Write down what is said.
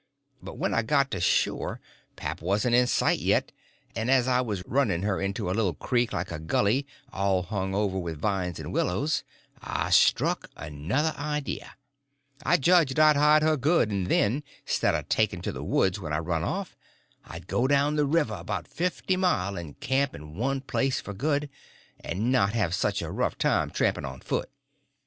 But when I got to shore pap wasn't in sight yet, and as I was running her into a little creek like a gully, all hung over with vines and willows, I struck another idea: I judged I'd hide her good, and then, 'stead of taking to the woods when I run off, I'd go down the river about fifty mile and camp in one place for good, and not have such a rough time tramping on foot.